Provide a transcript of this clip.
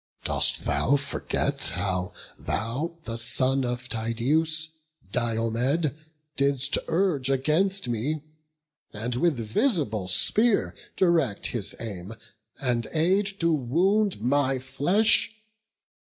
dost thou forget How thou the son of Tydeus, Diomed, Didst urge against me, and with visible spear Direct his aim, and aid to wound my flesh?